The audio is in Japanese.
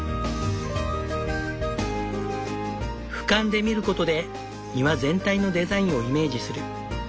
俯瞰で見ることで庭全体のデザインをイメージする。